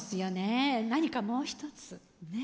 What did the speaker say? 何かもう一つねえ。